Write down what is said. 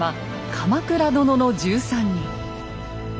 「鎌倉殿の１３人」。